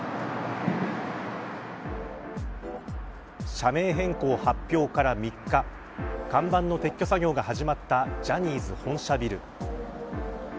社名変更発表から３日看板の撤去作業が始まったジャニーズ本社ビル。